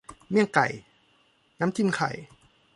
เมี่ยงไก่ น้ำจิ้มไข่